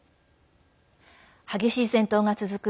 激しい戦闘が続く